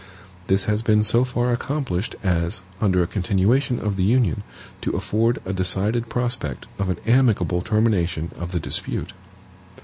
This has been so far accomplished as, under a continuation of the Union, to afford a decided prospect of an amicable termination of the dispute.